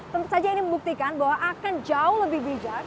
tentu saja ini membuktikan bahwa akan jauh lebih bijak